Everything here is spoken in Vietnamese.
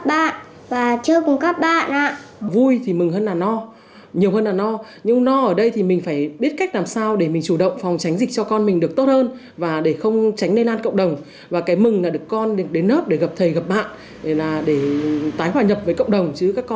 bạn và chơi cùng các bạn ạ vui thì mừng hơn là mọi người cảm ơn các thầy cô cảm ơn các thầy cô